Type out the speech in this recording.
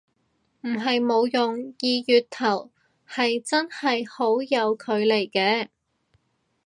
唔係冇用，二月頭係真係好有距離嘅